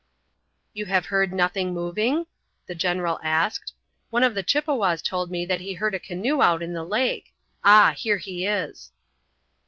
"You have heard nothing moving?" the general asked. "One of the Chippewas told me that he heard a canoe out in the lake. Ah! here he is."